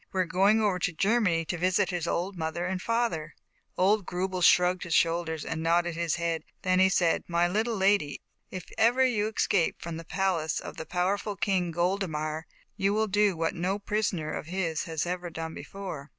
We are going over to Germany to visit his old father and mother.' ZAUBERLINDA, THE WISE WITCH 159 Old Grubel shrugged his shoulders and nodded his head, then he said: " My little lady, if ever you escape from the palace of the powerful King Gold emar, you will do what no prisoner of his has ever done before."